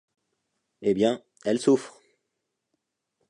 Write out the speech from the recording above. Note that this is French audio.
Eh bien, elle souffre !…